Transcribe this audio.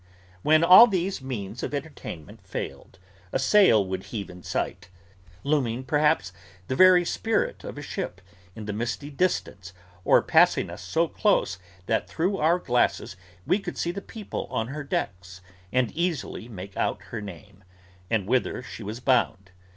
When all these means of entertainment failed, a sail would heave in sight: looming, perhaps, the very spirit of a ship, in the misty distance, or passing us so close that through our glasses we could see the people on her decks, and easily make out her name, and whither she was bound.